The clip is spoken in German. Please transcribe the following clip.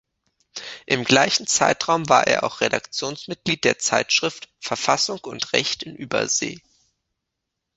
Im gleichen Zeitraum war er auch Redaktionsmitglied der Zeitschrift „Verfassung und Recht in Übersee“.